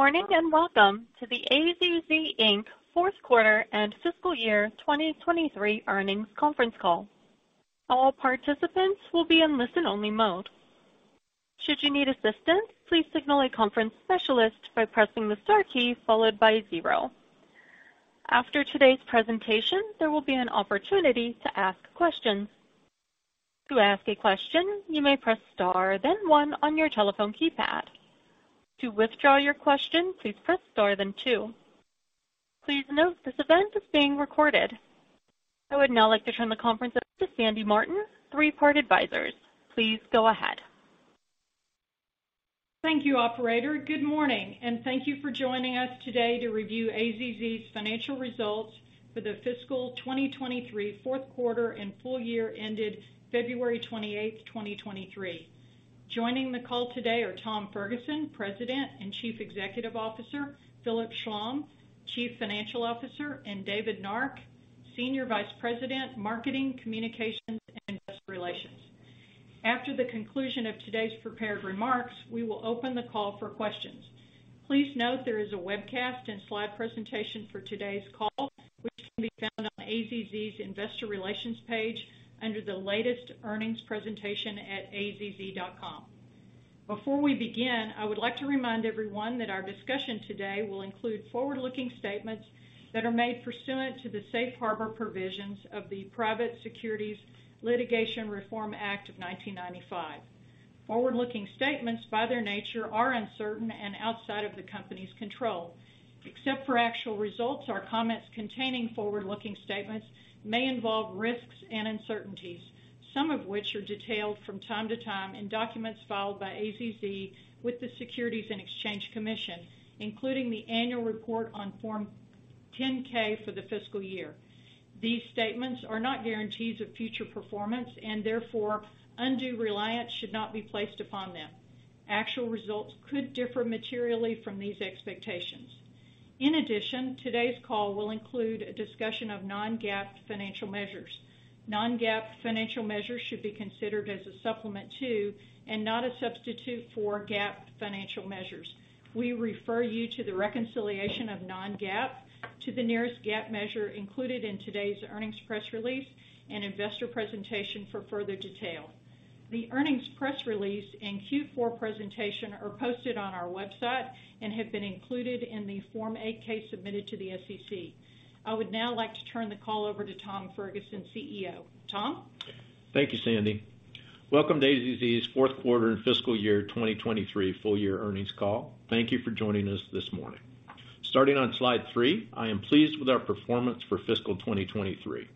Good morning, and welcome to the AZZ Inc. fourth quarter and fiscal year 2023 earnings conference call. All participants will be in listen-only mode. Should you need assistance, please signal a conference specialist by pressing the star key followed by zero. After today's presentation, there will be an opportunity to ask questions. To ask a question, you may press star then one on your telephone keypad. To withdraw your question, please press star then two. Please note this event is being recorded. I would now like to turn the conference over to Sandy Martin, Three Part Advisors. Please go ahead. Thank you, operator. Good morning, and thank you for joining us today to review AZZ's financial results for the fiscal 2023 fourth quarter and full year ended February 28th, 2023. Joining the call today are Tom Ferguson, President and Chief Executive Officer, Philip Schlom, Chief Financial Officer, and David Nark, Senior Vice President, Marketing, Communications and Investor Relations. After the conclusion of today's prepared remarks, we will open the call for questions. Please note there is a webcast and slide presentation for today's call, which can be found on AZZ's investor relations page under the latest earnings presentation at azz.com. Before we begin, I would like to remind everyone that our discussion today will include forward-looking statements that are made pursuant to the safe harbor provisions of the Private Securities Litigation Reform Act of 1995. Forward-looking statements, by their nature, are uncertain and outside of the company's control. Except for actual results, our comments containing forward-looking statements may involve risks and uncertainties, some of which are detailed from time to time in documents filed by AZZ with the Securities and Exchange Commission, including the annual report on Form 10-K for the fiscal year. These statements are not guarantees of future performance and therefore undue reliance should not be placed upon them. Actual results could differ materially from these expectations. In addition, today's call will include a discussion of non-GAAP financial measures. Non-GAAP financial measures should be considered as a supplement to and not a substitute for GAAP financial measures. We refer you to the reconciliation of non-GAAP to the nearest GAAP measure included in today's earnings press release and investor presentation for further detail. The earnings press release and Q4 presentation are posted on our website and have been included in the Form 8-K submitted to the SEC. I would now like to turn the call over to Tom Ferguson, CEO. Tom? Thank you, Sandy. Welcome to AZZ's fourth quarter and fiscal year 2023 full year earnings call. Thank you for joining us this morning. Starting on slide three, I am pleased with our performance for fiscal 2023.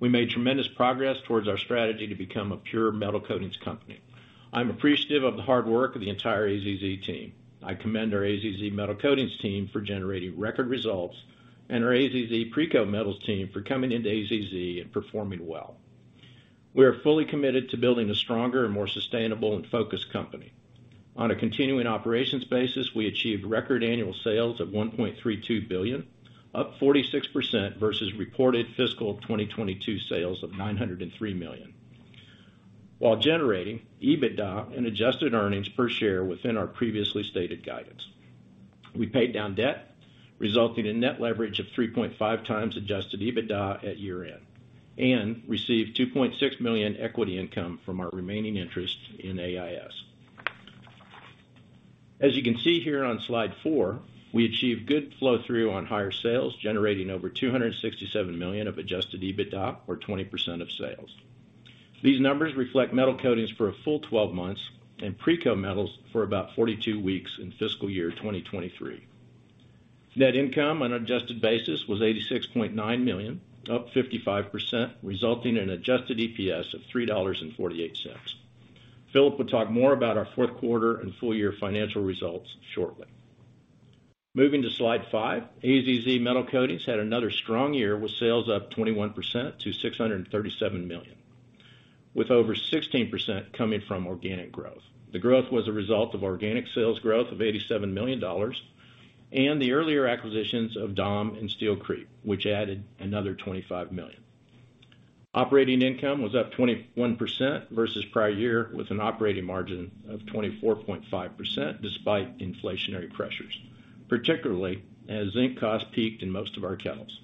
We made tremendous progress towards our strategy to become a pure metal coatings company. I'm appreciative of the hard work of the entire AZZ team. I commend our AZZ Metal Coatings team for generating record results and our AZZ Precoat Metals team for coming into AZZ and performing well. We are fully committed to building a stronger and more sustainable and focused company. On a continuing operations basis, we achieved record annual sales of $1.32 billion, up 46% versus reported fiscal 2022 sales of $903 million, while generating EBITDA and adjusted earnings per share within our previously stated guidance. We paid down debt, resulting in net leverage of 3.5x adjusted EBITDA at year-end and received $2.6 million equity income from our remaining interest in AIS. As you can see here on slide four, we achieved good flow-through on higher sales, generating over $267 million of adjusted EBITDA or 20% of sales. These numbers reflect metal coatings for a full 12 months and Precoat Metals for about 42 weeks in fiscal year 2023. Net income on adjusted basis was $86.9 million, up 55%, resulting in adjusted EPS of $3.48. Philip will talk more about our fourth quarter and full year financial results shortly. Moving to slide five, AZZ Metal Coatings had another strong year with sales up 21% to $637 million, with over 16% coming from organic growth. The growth was a result of organic sales growth of $87 million and the earlier acquisitions of DAAM and Steel Creek, which added another $25 million. Operating income was up 21% versus prior year, with an operating margin of 24.5% despite inflationary pressures, particularly as zinc costs peaked in most of our kettles.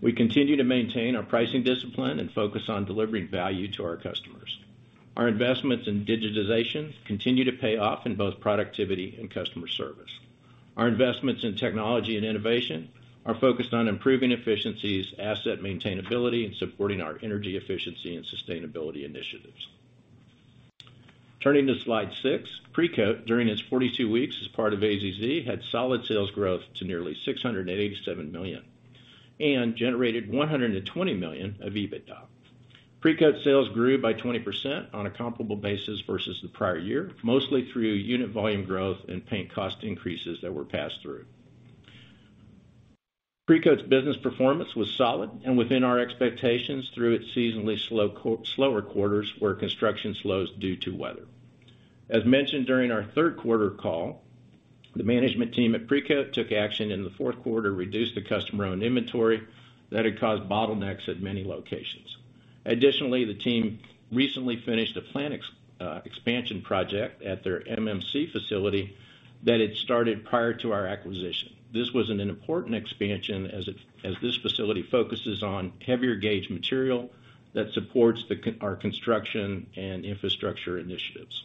We continue to maintain our pricing discipline and focus on delivering value to our customers. Our investments in digitization continue to pay off in both productivity and customer service. Our investments in technology and innovation are focused on improving efficiencies, asset maintainability, and supporting our energy efficiency and sustainability initiatives. Turning to slide six, Precoat, during its 42 weeks as part of AZZ, had solid sales growth to nearly $687 million and generated $120 million of EBITDA. Precoat sales grew by 20% on a comparable basis versus the prior year, mostly through unit volume growth and paint cost increases that were passed through. Precoat's business performance was solid and within our expectations through its seasonally slow, slower quarters where construction slows due to weather. As mentioned during our third quarter call, the management team at Precoat took action in the fourth quarter to reduce the customer-owned inventory that had caused bottlenecks at many locations. The team recently finished a plant expansion project at their MMC facility that had started prior to our acquisition. This was an important expansion as this facility focuses on heavier gauge material that supports our construction and infrastructure initiatives.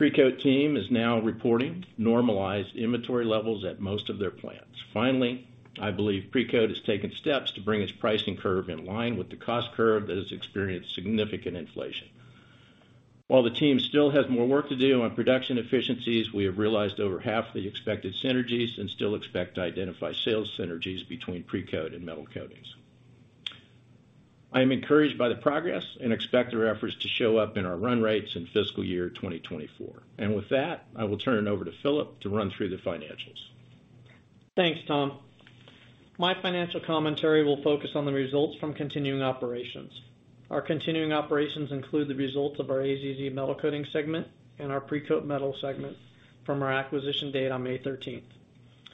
Precoat team is now reporting normalized inventory levels at most of their plants. Finally, I believe Precoat has taken steps to bring its pricing curve in line with the cost curve that has experienced significant inflation. While the team still has more work to do on production efficiencies, we have realized over half the expected synergies and still expect to identify sales synergies between Precoat and Metal Coatings. I am encouraged by the progress and expect their efforts to show up in our run rates in fiscal year 2024. With that, I will turn it over to Philip to run through the financials. Thanks, Tom. My financial commentary will focus on the results from continuing operations. Our continuing operations include the results of our AZZ Metal Coatings segment and our Precoat Metals segment from our acquisition date on May 13th,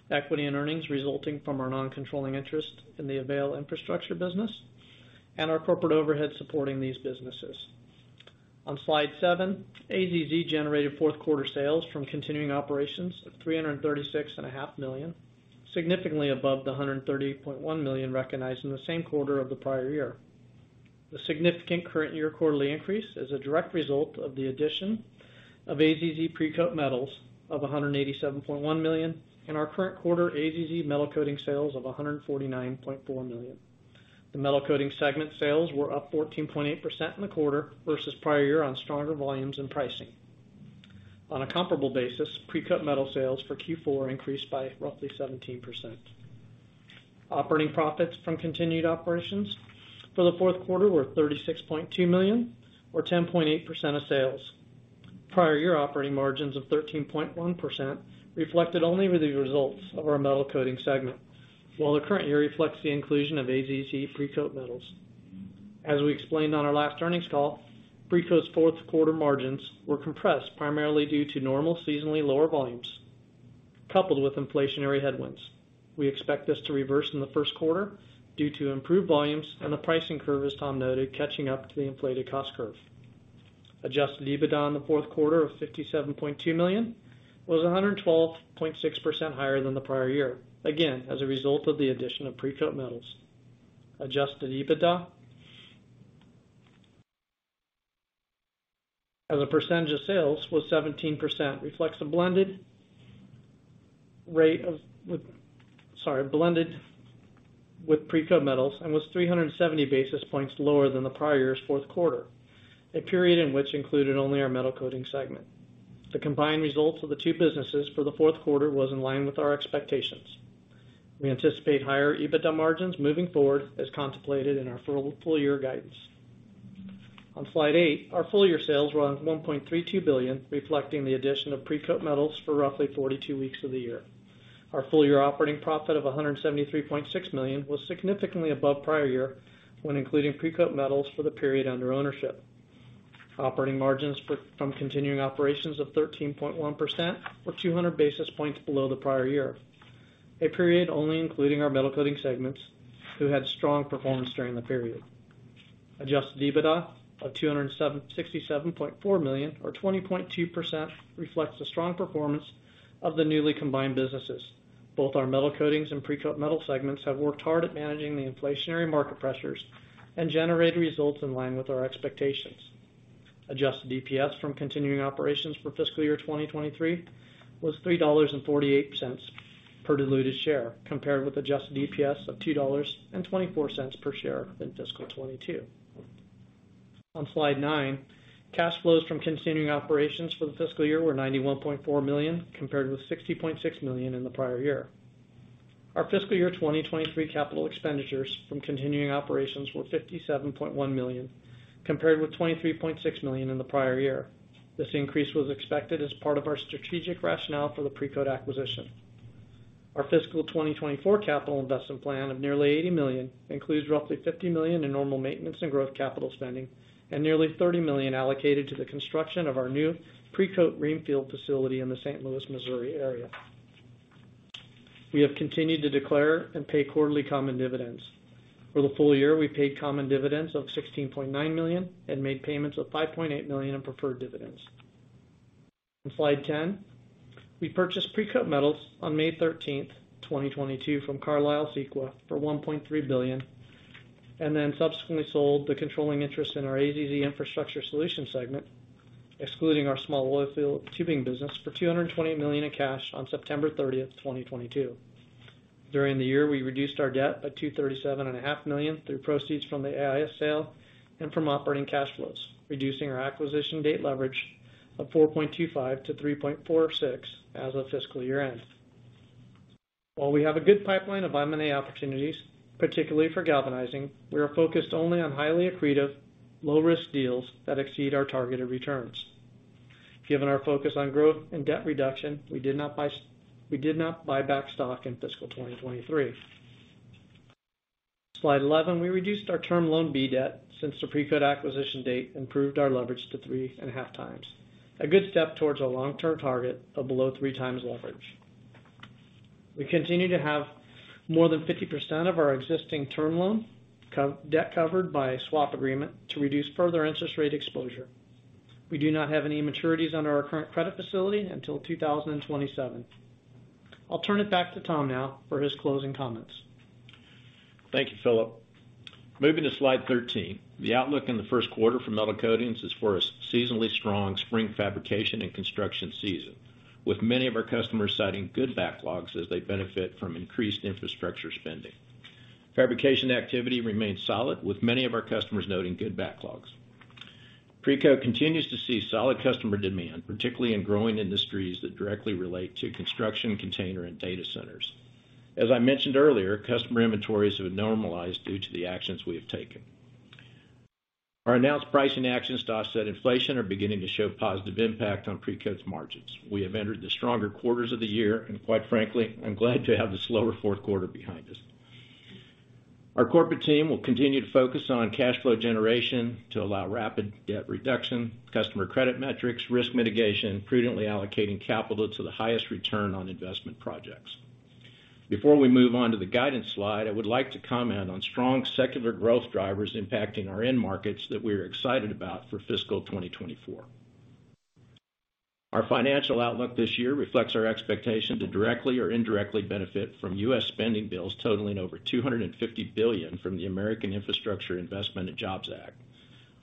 equity and earnings resulting from our non-controlling interest in the AVAIL infrastructure business, and our corporate overhead supporting these businesses. On slide seven, AZZ generated fourth quarter sales from continuing operations of $336.5 million, significantly above the $138.1 million recognized in the same quarter of the prior year. The significant current year quarterly increase is a direct result of the addition of AZZ Precoat Metals of $187.1 million in our current quarter AZZ Metal Coatings sales of $149.4 million. The Metal Coatings segment sales were up 14.8% in the quarter versus prior year on stronger volumes and pricing. On a comparable basis, Precoat Metals sales for Q4 increased by roughly 17%. Operating profits from continued operations for the fourth quarter were $36.2 million or 10.8% of sales. Prior year operating margins of 13.1% reflected only the results of our Metal Coatings segment, while the current year reflects the inclusion of AZZ Precoat Metals. As we explained on our last earnings call, Precoat's fourth quarter margins were compressed primarily due to normal seasonally lower volumes, coupled with inflationary headwinds. We expect this to reverse in the first quarter due to improved volumes and the pricing curve, as Tom noted, catching up to the inflated cost curve. Adjusted EBITDA in the fourth quarter of $57.2 million was 112.6% higher than the prior year, again, as a result of the addition of Precoat Metals. Adjusted EBITDA as a percentage of sales was 17%, reflects a blended rate of, sorry, blended with Precoat Metals and was 370 basis points lower than the prior year's fourth quarter, a period in which included only our Metal Coatings segment. The combined results of the two businesses for the fourth quarter was in line with our expectations. We anticipate higher EBITDA margins moving forward as contemplated in our full year guidance. On slide eight, our full year sales were $1.32 billion, reflecting the addition of Precoat Metals for roughly 42 weeks of the year. Our full year operating profit of $173.6 million was significantly above prior year when including Precoat Metals for the period under ownership. Operating margins from continuing operations of 13.1% were 200 basis points below the prior year, a period only including our Metal Coatings segments, who had strong performance during the period. Adjusted EBITDA of $267.4 million or 20.2% reflects the strong performance of the newly combined businesses. Both our Metal Coatings and Precoat Metals segments have worked hard at managing the inflationary market pressures and generated results in line with our expectations. Adjusted EPS from continuing operations for fiscal year 2023 was $3.48 per diluted share, compared with adjusted EPS of $2.24 per share in fiscal 2022. On slide nine, cash flows from continuing operations for the fiscal year were $91.4 million, compared with $60.6 million in the prior year. Our fiscal year 2023 capital expenditures from continuing operations were $57.1 million, compared with $23.6 million in the prior year. This increase was expected as part of our strategic rationale for the Precoat acquisition. Our fiscal 2024 capital investment plan of nearly $80 million includes roughly $50 million in normal maintenance and growth capital spending and nearly $30 million allocated to the construction of our new Precoat greenfield facility in the St. Louis, Missouri area. We have continued to declare and pay quarterly common dividends. For the full year, we paid common dividends of $16.9 million and made payments of $5.8 million in preferred dividends. On slide 10, we purchased Precoat Metals on May 13th, 2022 from Carlyle Sequa for $1.3 billion, and then subsequently sold the controlling interest in our AZZ Infrastructure Solutions segment, excluding our small oil field tubing business for $220 million in cash on September 30th, 2022. During the year, we reduced our debt by $237.5 million through proceeds from the AIS sale and from operating cash flows, reducing our acquisition date leverage of 4.25 to 3.46 as of fiscal year-end. While we have a good pipeline of M&A opportunities, particularly for galvanizing, we are focused only on highly accretive, low-risk deals that exceed our targeted returns. Given our focus on growth and debt reduction, we did not buy back stock in fiscal 2023. Slide 11, we reduced our Term Loan B debt since the Precoat acquisition date improved our leverage to 3.5x, a good step towards a long-term target of below 3xleverage. We continue to have more than 50% of our existing term loan debt covered by a swap agreement to reduce further interest rate exposure. We do not have any maturities under our current credit facility until 2027. I'll turn it back to Tom now for his closing comments. Thank you, Philip. Moving to slide 13. The outlook in the first quarter for Metal Coatings is for a seasonally strong spring fabrication and construction season, with many of our customers citing good backlogs as they benefit from increased infrastructure spending. Fabrication activity remains solid, with many of our customers noting good backlogs. Precoat continues to see solid customer demand, particularly in growing industries that directly relate to construction, container, and data centers. As I mentioned earlier, customer inventories have normalized due to the actions we have taken. Our announced pricing actions to offset inflation are beginning to show positive impact on Precoat's margins. We have entered the stronger quarters of the year, and quite frankly, I'm glad to have the slower fourth quarter behind us. Our corporate team will continue to focus on cash flow generation to allow rapid debt reduction, customer credit metrics, risk mitigation, prudently allocating capital to the highest return on investment projects. Before we move on to the guidance slide, I would like to comment on strong secular growth drivers impacting our end markets that we are excited about for fiscal 2024. Our financial outlook this year reflects our expectation to directly or indirectly benefit from U.S. spending bills totaling over $250 billion from the Infrastructure Investment and Jobs Act.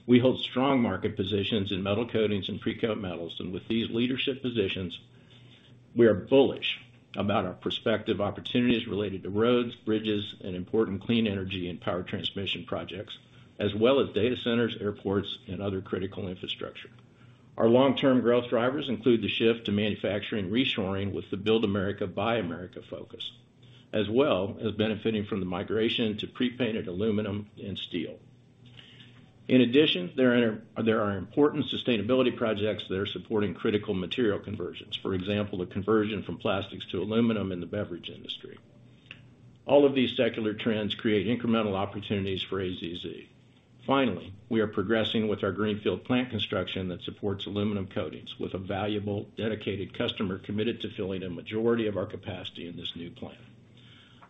We hold strong market positions in metal coatings and Precoat Metals, and with these leadership positions, we are bullish about our prospective opportunities related to roads, bridges, and important clean energy and power transmission projects, as well as data centers, airports, and other critical infrastructure. Our long-term growth drivers include the shift to manufacturing reshoring with the Build America, Buy America focus, as well as benefiting from the migration to pre-painted aluminum and steel. There are important sustainability projects that are supporting critical material conversions. For example, the conversion from plastics to aluminum in the beverage industry. All of these secular trends create incremental opportunities for AZZ. We are progressing with our greenfield plant construction that supports aluminum coatings with a valuable dedicated customer committed to filling a majority of our capacity in this new plant.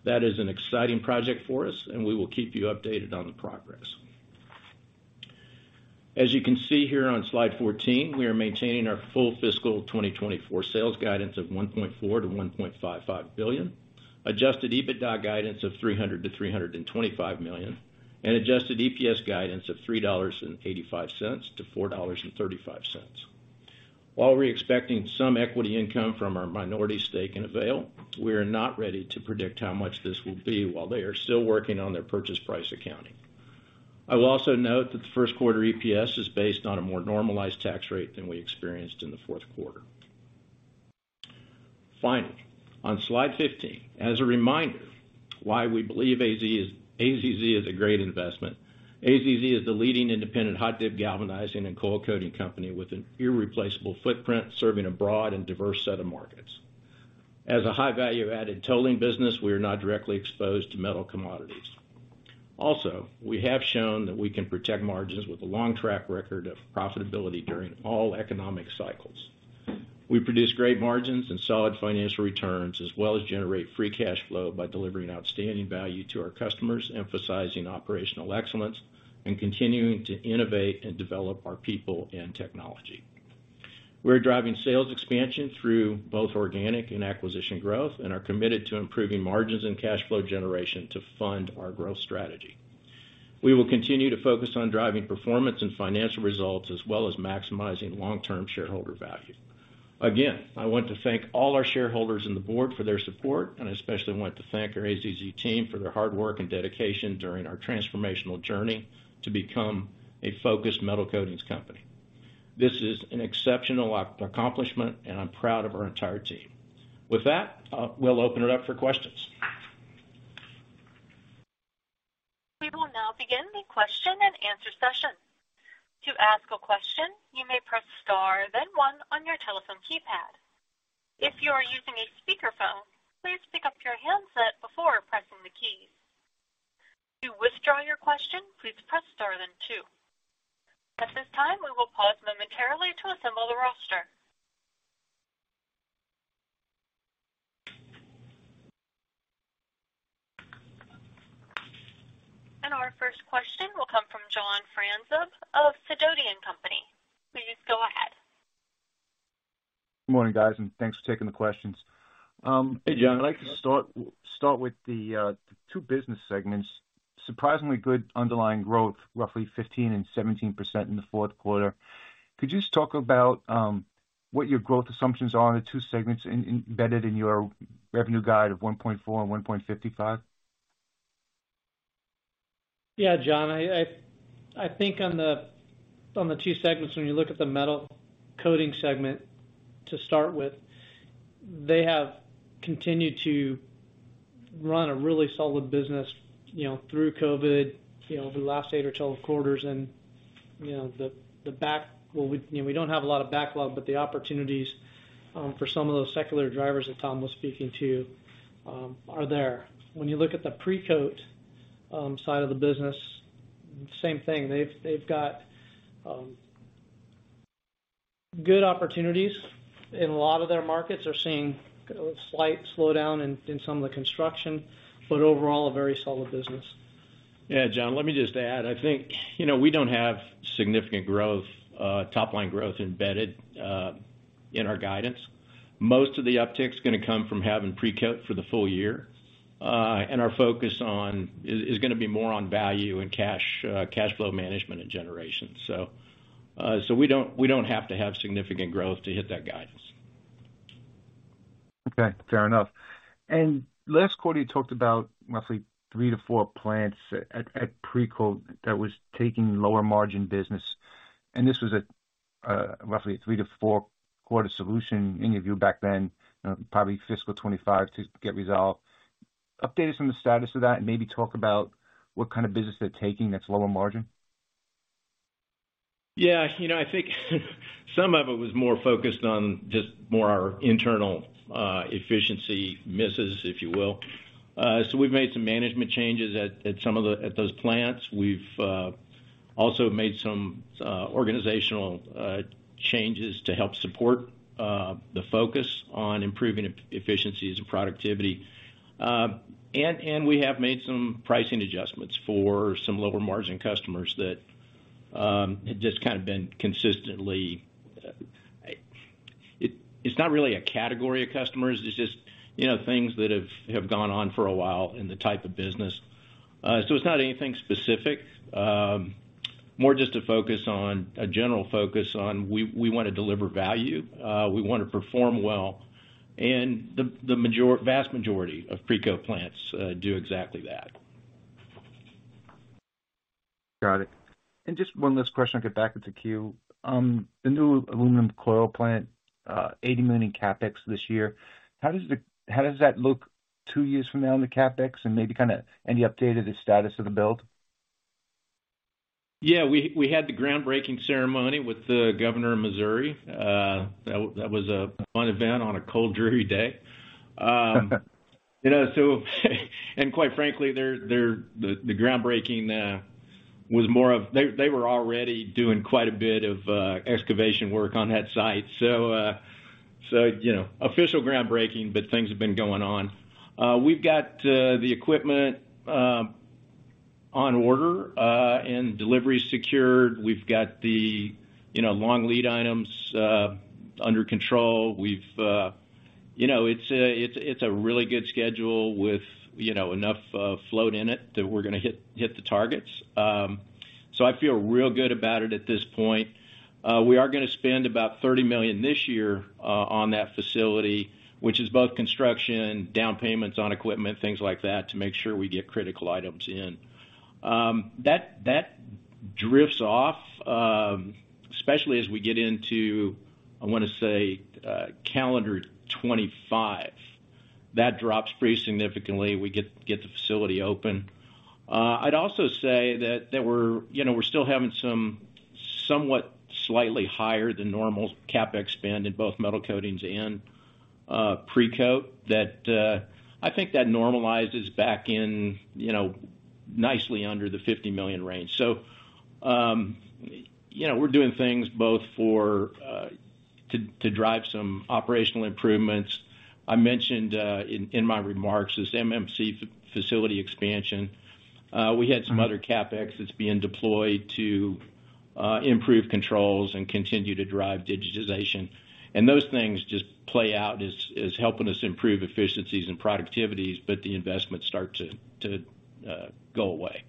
That is an exciting project for us, and we will keep you updated on the progress. As you can see here on slide 14, we are maintaining our full fiscal 2024 sales guidance of $1.4 billion-$1.55 billion, adjusted EBITDA guidance of $300 million-$325 million, and adjusted EPS guidance of $3.85-$4.35. While we're expecting some equity income from our minority stake in AVAIL, we are not ready to predict how much this will be while they are still working on their purchase price accounting. I will also note that the first quarter EPS is based on a more normalized tax rate than we experienced in the fourth quarter. On slide 15, as a reminder why we believe AZZ is a great investment. AZZ is the leading independent hot-dip galvanizing and coil coating company with an irreplaceable footprint, serving a broad and diverse set of markets. As a high value-added tolling business, we are not directly exposed to metal commodities. We have shown that we can protect margins with a long track record of profitability during all economic cycles. We produce great margins and solid financial returns, as well as generate free cash flow by delivering outstanding value to our customers, emphasizing operational excellence and continuing to innovate and develop our people and technology. We're driving sales expansion through both organic and acquisition growth and are committed to improving margins and cash flow generation to fund our growth strategy. We will continue to focus on driving performance and financial results as well as maximizing long-term shareholder value. I want to thank all our shareholders and the board for their support, and I especially want to thank our AZZ team for their hard work and dedication during our transformational journey to become a focused metal coatings company. This is an exceptional accomplishment, and I'm proud of our entire team. With that, we'll open it up for questions. We will now begin the question and answer session. To ask a question, you may press star then one on your telephone keypad. If you are using a speakerphone, please pick up your handset before pressing the keys. To withdraw your question, please press star then two. At this time, we will pause momentarily to assemble the roster. Our first question will come from John Franzreb of Sidoti & Company. Please go ahead. Good morning, guys, and thanks for taking the questions. Hey, John. I'd like to start with the two business segments. Surprisingly good underlying growth, roughly 15% and 17% in the fourth quarter. Could you just talk about what your growth assumptions are in the two segments embedded in your revenue guide of $1.4 billion and $1.55 billion? Yeah, John, I think on the two segments, when you look at the Metal Coatings segment to start with, they have continued to run a really solid business, you know, through COVID, you know, over the last eight or 12 quarters. You know, we don't have a lot of backlog, but the opportunities for some of those secular drivers that Tom was speaking to, are there. When you look at the Precoat side of the business, same thing. They've got- Good opportunities in a lot of their markets. They're seeing a slight slowdown in some of the construction. Overall a very solid business. Yeah, John, let me just add. I think, you know, we don't have significant growth, top line growth embedded in our guidance. Most of the uptick is gonna come from having Precoat for the full year. Our focus is gonna be more on value and cash flow management and generation. We don't have to have significant growth to hit that guidance. Okay, fair enough. Last quarter, you talked about roughly three to four plants at Precoat that was taking lower margin business, this was a roughly three to four-quarter solution in your view back then, probably fiscal 2025 to get resolved. Update us on the status of that and maybe talk about what kind of business they're taking that's lower margin. Yeah. You know, I think some of it was more focused on just more our internal efficiency misses, if you will. So we've made some management changes at those plants. We've also made some organizational changes to help support the focus on improving efficiencies and productivity. And we have made some pricing adjustments for some lower margin customers that had just kind of been consistently. It's not really a category of customers. It's just, you know, things that have gone on for a while in the type of business. So it's not anything specific, more just a general focus on we wanna deliver value, we wanna perform well. And the vast majority of Precoat plants do exactly that. Got it. Just one last question, I'll get back into queue. The new aluminum coil plant, $80 million in CapEx this year. How does that look two years from now in the CapEx and maybe kinda any update of the status of the build? We had the groundbreaking ceremony with the governor of Missouri. That was a fun event on a cold, dreary day. You know, quite frankly, the groundbreaking was more of they were already doing quite a bit of excavation work on that site. You know, official groundbreaking, but things have been going on. We've got, the equipment, on order, and delivery secured. We've got the, you know, long lead items, under control. We've, you know, it's a really good schedule with, you know, enough float in it that we're gonna hit the targets. I feel real good about it at this point. We are gonna spend about $30 million this year on that facility, which is both construction, down payments on equipment, things like that, to make sure we get critical items in. That drifts off, especially as we get into, I wanna say, calendar 2025. That drops pretty significantly. We get the facility open. I'd also say that we're, you know, we're still having some somewhat slightly higher than normal CapEx spend in both metal coatings and Precoat that I think that normalizes back in, you know, nicely under the $50 million range. We're doing things both for to drive some operational improvements. I mentioned in my remarks, this MMC facility expansion. We had some other CapEx that's being deployed to improve controls and continue to drive digitization. those things just play out as helping us improve efficiencies and productivities, but the investments start to go away.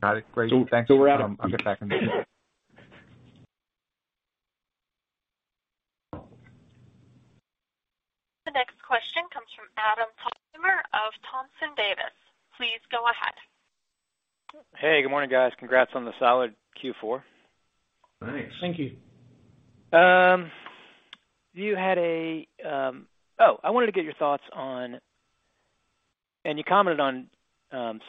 Got it. Great. Thanks. I'll get back in the queue. The next question comes from Adam Thalhimer of Thompson Davis. Please go ahead. Hey, good morning, guys. Congrats on the solid Q4. Thanks. Thank you. Oh, I wanted to get your thoughts on, and you commented on,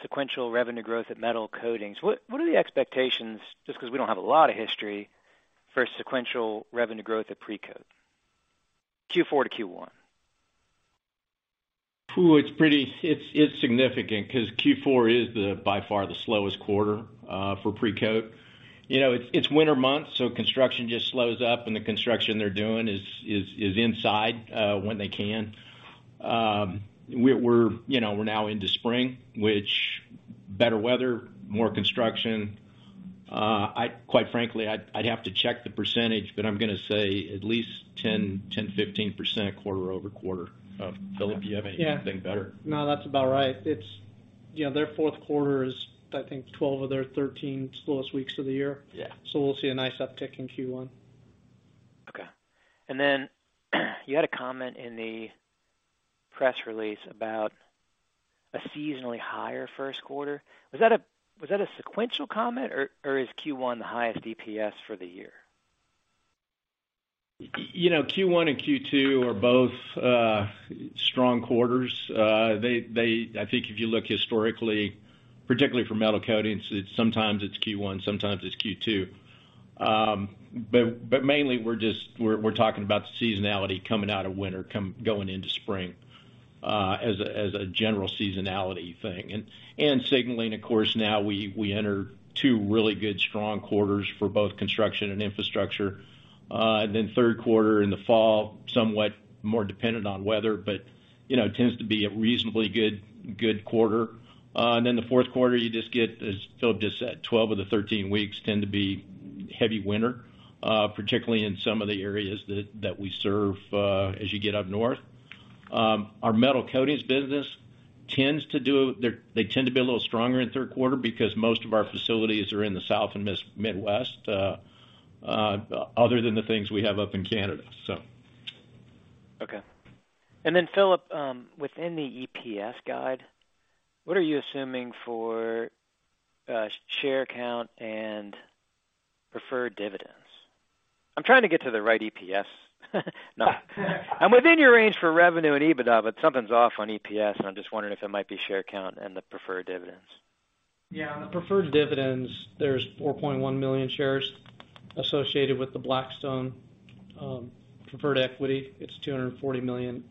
sequential revenue growth at Metal Coatings. What are the expectations, just 'cause we don't have a lot of history, for sequential revenue growth at Precoat, Q4 to Q1? It's pretty, it's significant 'cause Q4 is the, by far, the slowest quarter for Precoat. You know, it's winter months, so construction just slows up, and the construction they're doing is inside when they can. We're, you know, we're now into spring, which better weather, more construction. Quite frankly, I'd have to check the percentage, but I'm gonna say at least 10%-15% quarter-over-quarter. Philip, do you have anything better? Yeah. No, that's about right. It's, you know, their fourth quarter is, I think 12 of their 13 slowest weeks of the year. Yeah. We'll see a nice uptick in Q1. Okay. Then you had a comment in the press release about a seasonally higher first quarter. Was that a sequential comment, or is Q1 the highest DPS for the year? You know, Q1 and Q2 are both strong quarters. I think if you look historically, particularly for Metal Coatings, it's sometimes it's Q1, sometimes it's Q2. Mainly we're talking about the seasonality coming out of winter going into spring. as a general seasonality thing. Signaling, of course, now we enter two really good strong quarters for both construction and infrastructure. Third quarter in the fall, somewhat more dependent on weather, but, you know, tends to be a reasonably good quarter. The fourth quarter, you just get, as Philip just said, 12 of the 13 weeks tend to be heavy winter, particularly in some of the areas that we serve, as you get up north. Our Metal Coatings business tends to be a little stronger in third quarter because most of our facilities are in the South and Midwest, other than the things we have up in Canada. Okay. Philip, within the EPS guide, what are you assuming for share count and preferred dividends? I'm trying to get to the right EPS. Yeah. I'm within your range for revenue and EBITDA, but something's off on EPS, and I'm just wondering if it might be share count and the preferred dividends. Yeah, on the preferred dividends, there's 4.1 million shares associated with the Blackstone preferred equity. It's $240 million.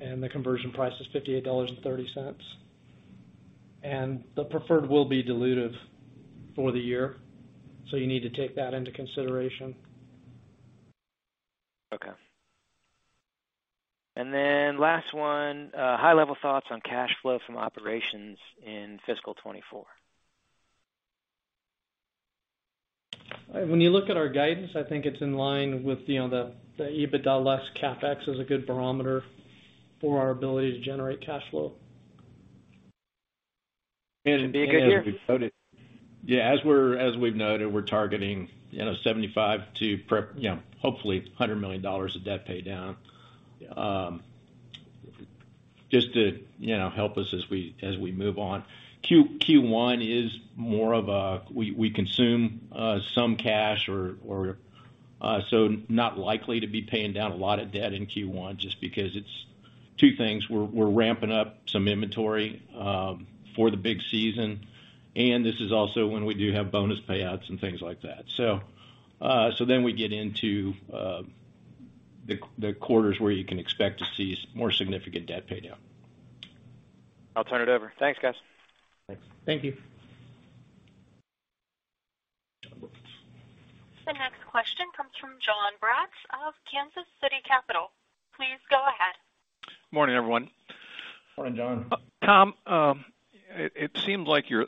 The conversion price is $58.30. The preferred will be dilutive for the year, so you need to take that into consideration. Okay. Last one, high-level thoughts on cash flow from operations in fiscal 2024. When you look at our guidance, I think it's in line with, you know, the EBITDA less CapEx is a good barometer for our ability to generate cash flow. It's been a good year. Yeah. As we've noted, we're targeting, you know, $75 million to, hopefully, $100 million of debt pay down, just to, you know, help us as we move on. Q1 is more of a. We consume some cash, so not likely to be paying down a lot of debt in Q1 just because it's two things. We're ramping up some inventory for the big season, and this is also when we do have bonus payouts and things like that. Then we get into the quarters where you can expect to see more significant debt pay down. I'll turn it over. Thanks, guys. Thanks. Thank you. The next question comes from Jon Braatz of Kansas City Capital. Please go ahead. Morning, everyone. Morning, John. Tom, it seems like you're,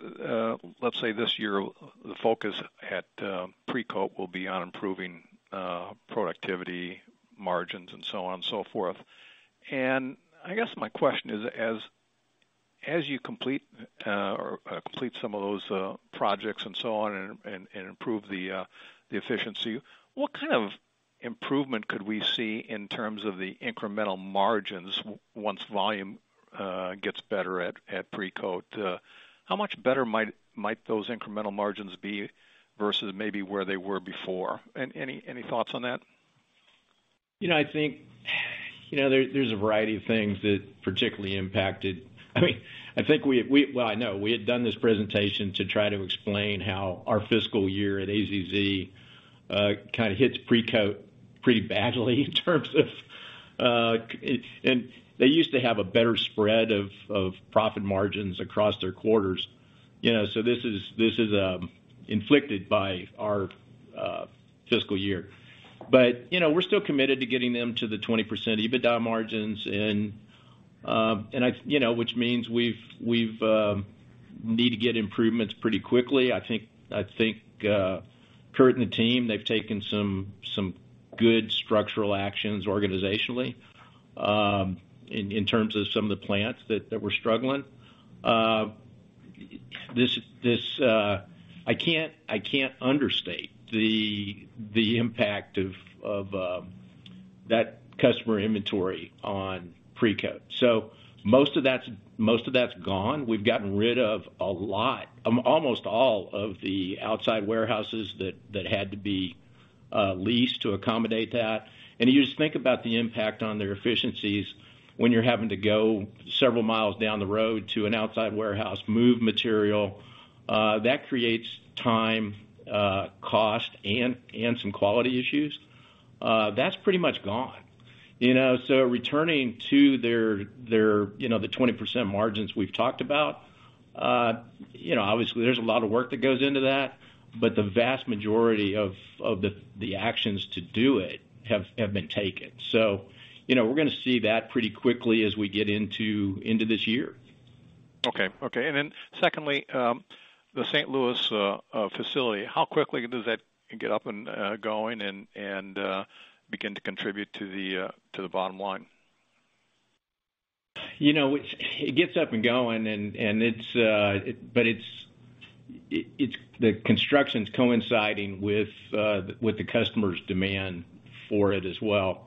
let's say, this year, the focus at Precoat will be on improving productivity margins and so on and so forth. I guess my question is, as you complete or complete some of those projects and so on and improve the efficiency, what kind of improvement could we see in terms of the incremental margins once volume gets better at Precoat? How much better might those incremental margins be versus maybe where they were before? Any thoughts on that? You know, I think, you know, there's a variety of things that particularly impacted. I mean, I think we Well, I know we had done this presentation to try to explain how our fiscal year at AZZ kind of hits Precoat pretty badly in terms of. They used to have a better spread of profit margins across their quarters. You know, so this is inflicted by our fiscal year. You know, we're still committed to getting them to the 20% EBITDA margins, and I, you know, which means we've need to get improvements pretty quickly. I think Kurt and the team, they've taken some good structural actions organizationally, in terms of some of the plants that were struggling. This. I can't understate the impact of that customer inventory on Precoat. Most of that's gone. We've gotten rid of a lot, almost all of the outside warehouses that had to be leased to accommodate that. You just think about the impact on their efficiencies when you're having to go several miles down the road to an outside warehouse, move material. That creates time, cost, and some quality issues. That's pretty much gone. You know, returning to their, you know, the 20% margins we've talked about, you know, obviously there's a lot of work that goes into that, but the vast majority of the actions to do it have been taken. You know, we're gonna see that pretty quickly as we get into this year. Okay. Okay. Secondly, the St. Louis facility, how quickly does that get up and going and begin to contribute to the bottom line? You know, it gets up and going and it's, but It's the construction's coinciding with the customer's demand for it as well.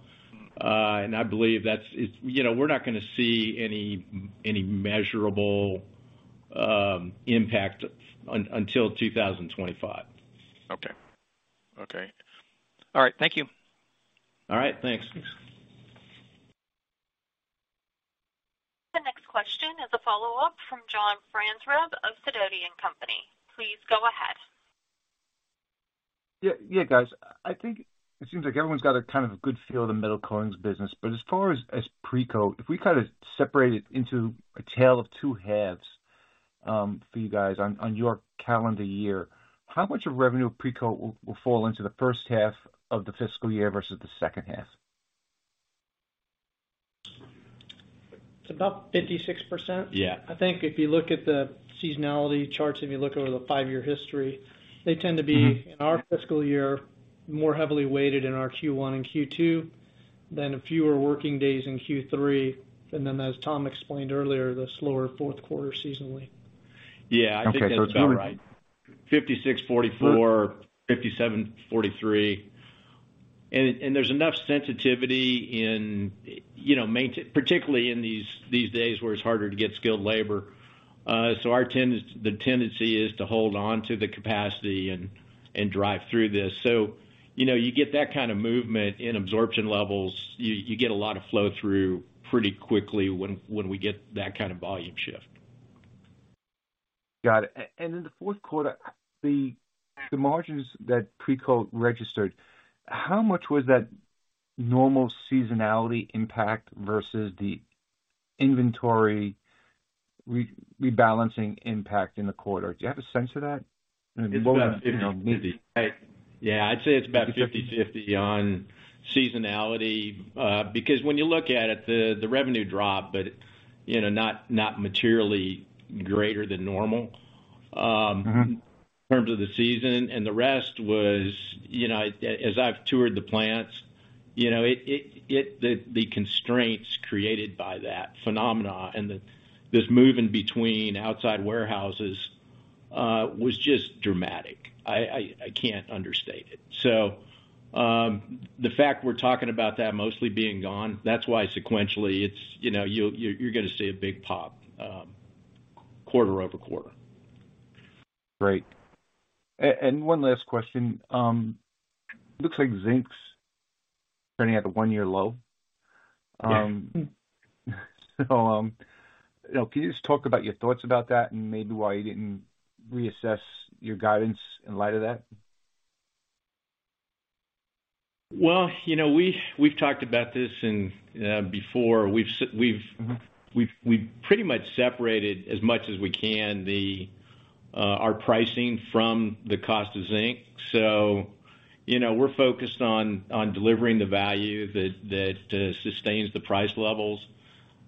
I believe that's, it's, you know, we're not gonna see any measurable impact until 2025. Okay. Okay. All right. Thank you. All right. Thanks. The next question is a follow-up from John Franzreb of Sidoti & Company. Please go ahead. Yeah. Yeah, guys, I think it seems like everyone's got a kind of a good feel of the metal coatings business. As far as Precoat, if we kind of separate it into a tale of two halves, for you guys on your calendar year, how much of revenue of Precoat will fall into the first half of the fiscal year versus the second half? It's about 56%. Yeah. I think if you look at the seasonality charts and you look over the five-year history, they tend to be, in our fiscal year, more heavily weighted in our Q1 and Q2 than a fewer working days in Q3. As Tom explained earlier, the slower fourth quarter seasonally. Yeah, I think that's about right. 56, 44, 57, 43. There's enough sensitivity in, you know, particularly in these days where it's harder to get skilled labor. Our tendency is to hold on to the capacity and drive through this. You know, you get that kind of movement in absorption levels, you get a lot of flow through pretty quickly when we get that kind of volume shift. Got it. In the fourth quarter, the margins that Precoat registered, how much was that normal seasonality impact versus the inventory rebalancing impact in the quarter? Do you have a sense of that? It's about 50/50. I'd say it's about 50/50 on seasonality. Because when you look at it, the revenue dropped, but, you know, not materially greater than normal- Mm-hmm in terms of the season. The rest was, you know, as I've toured the plants, you know, the constraints created by that phenomena and this move in between outside warehouses was just dramatic. I can't understate it. The fact we're talking about that mostly being gone, that's why sequentially it's, you know, you're gonna see a big pop quarter-over-quarter. Great. One last question. Looks like zinc's trending at a one-year low. Yeah. Can you just talk about your thoughts about that and maybe why you didn't reassess your guidance in light of that? Well, you know, we've talked about this and before. We've- Mm-hmm we've pretty much separated as much as we can the our pricing from the cost of zinc. You know, we're focused on delivering the value that sustains the price levels.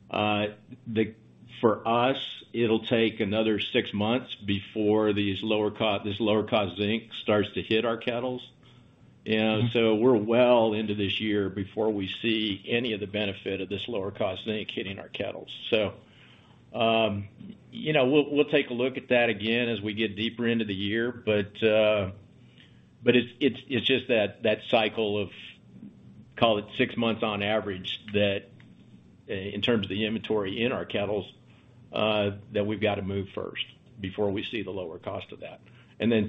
For us, it'll take another six months before these lower cost zinc starts to hit our kettles. We're well into this year before we see any of the benefit of this lower cost zinc hitting our kettles. You know, we'll take a look at that again as we get deeper into the year. It's just that cycle of, call it six months on average that in terms of the inventory in our kettles, that we've got to move first before we see the lower cost of that.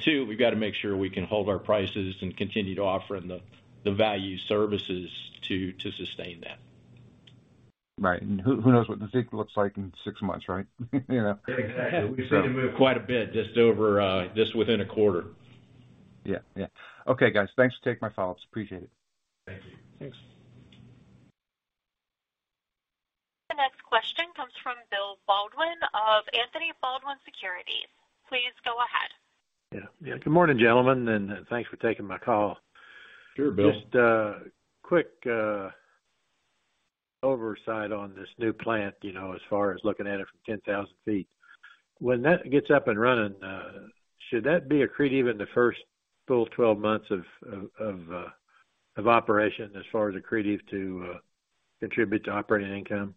Two, we've got to make sure we can hold our prices and continue to offer them the value services to sustain that. Right. Who knows what the zinc looks like in six months, right? You know. Exactly. We've seen it move quite a bit just over, just within a quarter. Yeah. Yeah. Okay, guys. Thanks for taking my follow-ups. Appreciate it. Thank you. Thanks. The next question comes from Bill Baldwin of Baldwin Anthony Securities. Please go ahead. Yeah. Yeah. Good morning, gentlemen, and thanks for taking my call. Sure, Bill. Just a quick oversight on this new plant, you know, as far as looking at it from 10,000 ft. When that gets up and running, should that be accretive in the first full 12 months of operation as far as accretive to, contribute to operating income?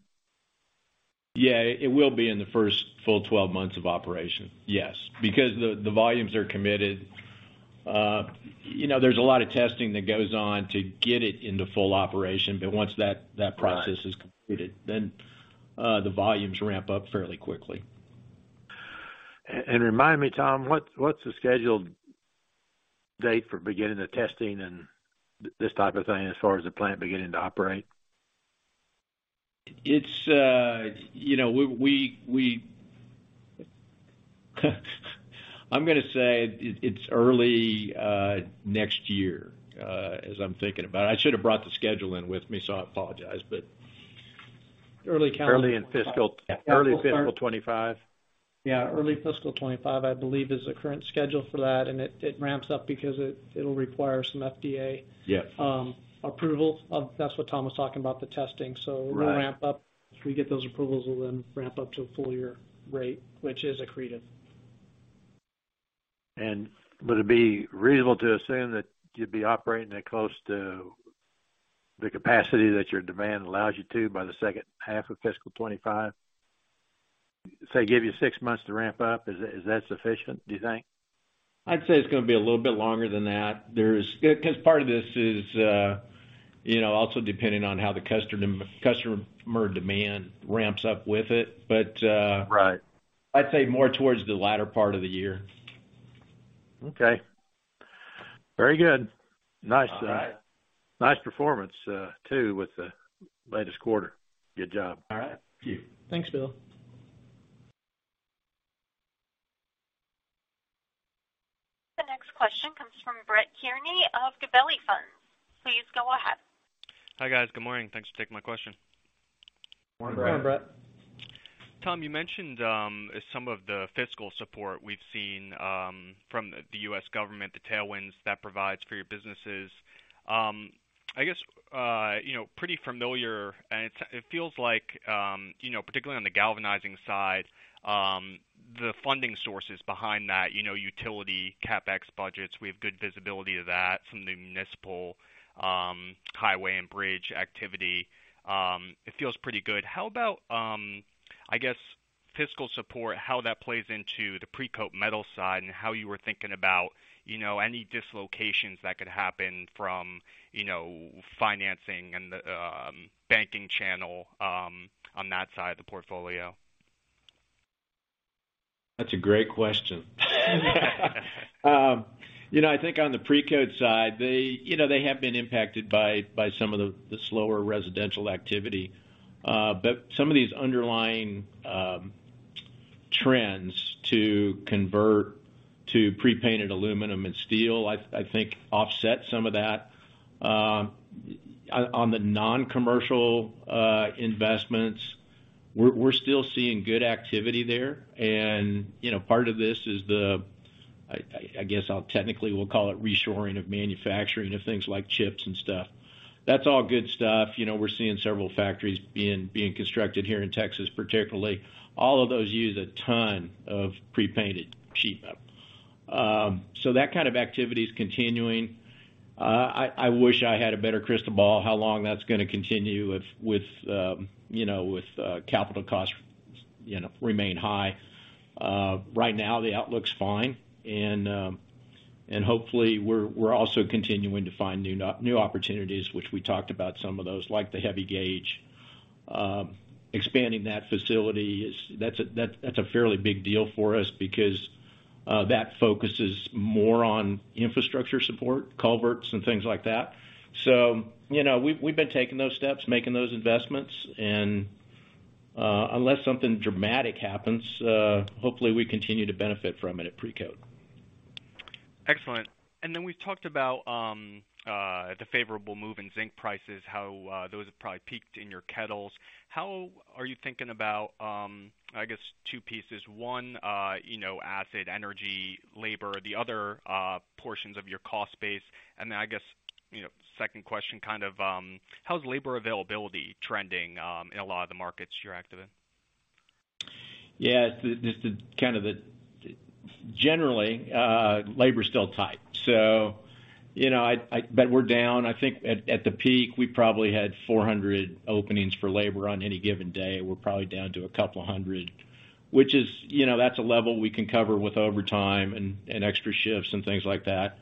Yeah, it will be in the first full 12 months of operation. Yes. The volumes are committed. you know, there's a lot of testing that goes on to get it into full operation. Once that process is completed, the volumes ramp up fairly quickly. Remind me, Tom, what's the scheduled date for beginning the testing and this type of thing as far as the plant beginning to operate? It's, you know, we I'm gonna say it's early next year, as I'm thinking about it. I should have brought the schedule in with me, so I apologize. Early. Early fiscal 2025. Yeah, early fiscal 2025, I believe, is the current schedule for that. It ramps up because it'll require some- Yes -approval of. That's what Tom was talking about, the testing. Right. We'll ramp up. We get those approvals and then ramp up to a full year rate, which is accretive. Would it be reasonable to assume that you'd be operating at close to the capacity that your demand allows you to by the second half of fiscal 2025? Say, give you six months to ramp up. Is that sufficient, do you think? I'd say it's gonna be a little bit longer than that. There's 'cause part of this is, you know, also depending on how the customer demand ramps up with it. Right. I'd say more towards the latter part of the year. Okay. Very good. Nice. All right. Nice performance, too, with the latest quarter. Good job. All right. Thank you. Thanks, Bill. The next question comes from Brett Kearney of Gabelli Funds. Please go ahead. Hi, guys. Good morning. Thanks for taking my question. Good morning, Brett. Tom, you mentioned some of the fiscal support we've seen from the U.S. government, the tailwinds that provides for your businesses. I guess, you know, pretty familiar. It feels like, you know, particularly on the galvanizing side, the funding sources behind that, you know, utility CapEx budgets, we have good visibility of that from the municipal, highway and bridge activity. It feels pretty good. How about, I guess fiscal support, how that plays into the Precoat Metals side and how you were thinking about, you know, any dislocations that could happen from, you know, financing and the banking channel, on that side of the portfolio? That's a great question. You know, I think on the Precoat side, they, you know, they have been impacted by some of the slower residential activity. Some of these underlying trends to convert to pre-painted aluminum and steel, I think offset some of that. On the non-commercial investments, we're still seeing good activity there. You know, part of this is the, I guess I'll technically call it reshoring of manufacturing of things like chips and stuff. That's all good stuff. You know, we're seeing several factories being constructed here in Texas, particularly. All of those use a ton of pre-painted sheet metal. That kind of activity is continuing. I wish I had a better crystal ball how long that's gonna continue with, you know, with capital costs, you know, remain high. Right now the outlook's fine. Hopefully we're also continuing to find new opportunities, which we talked about some of those, like the heavy gauge. Expanding that facility, that's a fairly big deal for us because that focuses more on infrastructure support, culverts and things like that. You know, we've been taking those steps, making those investments. Unless something dramatic happens, hopefully we continue to benefit from it at Precoat. Excellent. We've talked about the favorable move in zinc prices, how those have probably peaked in your kettles. How are you thinking about, I guess, two pieces? One, you know, acid, energy, labor, the other, portions of your cost base. I guess, you know, second question kind of, how's labor availability trending in a lot of the markets you're active in? Yeah, generally, labor is still tight. You know, we're down. I think at the peak, we probably had 400 openings for labor on any given day. We're probably down to a couple of hundred, which is, you know, that's a level we can cover with overtime and extra shifts and things like that.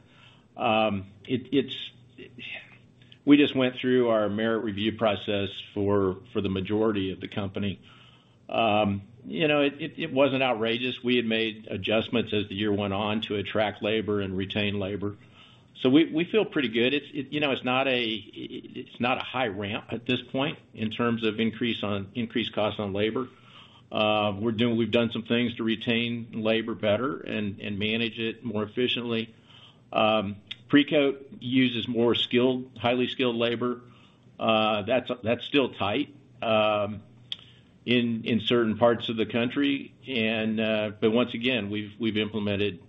We just went through our merit review process for the majority of the company. You know, it wasn't outrageous. We had made adjustments as the year went on to attract labor and retain labor. We feel pretty good. It's, you know, it's not a, it's not a high ramp at this point in terms of increased costs on labor. We've done some things to retain labor better and manage it more efficiently. Precoat uses more skilled, highly skilled labor. That's still tight in certain parts of the country. Once again, we've implemented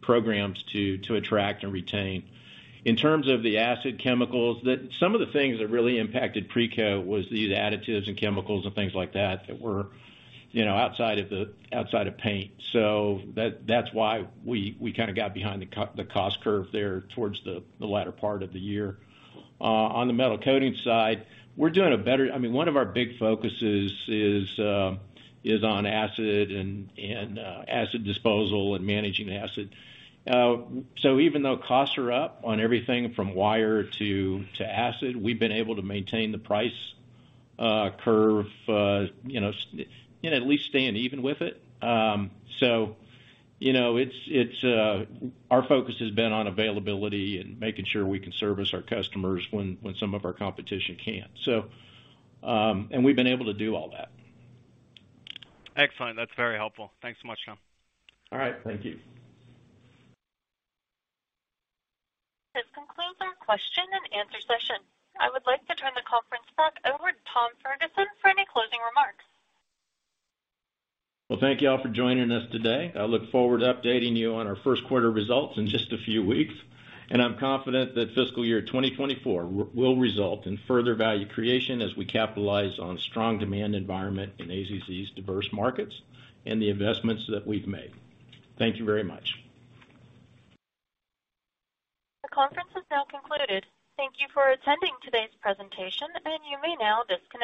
programs to attract and retain. In terms of the acid chemicals, some of the things that really impacted Precoat was these additives and chemicals and things like that that were, you know, outside of paint. That's why we kinda got behind the cost curve there towards the latter part of the year. On the metal coating side, I mean, one of our big focuses is on acid and acid disposal and managing acid. Even though costs are up on everything from wire to acid, we've been able to maintain the price, curve, you know, at least staying even with it. You know, it's, our focus has been on availability and making sure we can service our customers when some of our competition can't. And we've been able to do all that. Excellent. That's very helpful. Thanks so much, Tom. All right. Thank you. This concludes our question-and-answer session. I would like to turn the conference back over to Tom Ferguson for any closing remarks. Well, thank you all for joining us today. I look forward to updating you on our first quarter results in just a few weeks. I'm confident that fiscal year 2024 will result in further value creation as we capitalize on strong demand environment in AZZ's diverse markets and the investments that we've made. Thank you very much. The conference has now concluded. Thank you for attending today's presentation. You may now disconnect.